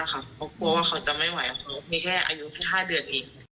เพราะกลัวว่าเขาจะไม่ไหวเขามีแค่อายุ๕เดือนเอง